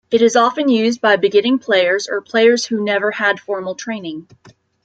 It is often used by beginning players, or players who never had formal training.